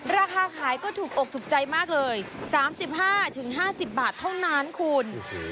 ราคาขายก็ถูกอกถูกใจมากเลย๓๕๕๐บาทเท่านั้นคุณ